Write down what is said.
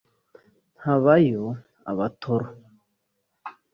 habayo Abatoro